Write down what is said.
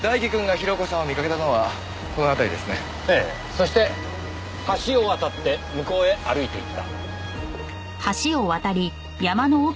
そして橋を渡って向こうへ歩いていった。